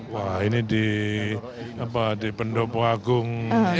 wah ini di pendopoagung